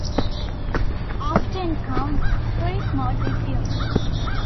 After encounter, cruise mode resumed.